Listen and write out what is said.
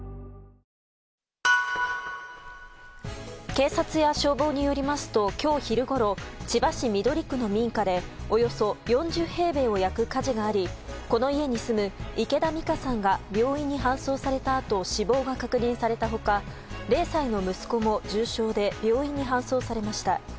警察や消防によりますと今日昼ごろ千葉市緑区の民家でおよそ４０平米を焼く火事がありこの家に住む、池田美香さんが病院に搬送されたあと死亡が確認された他０歳の息子も重傷で病院に搬送されました。